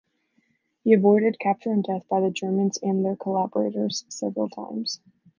He avoided capture and death by the Germans and their collaborators several times.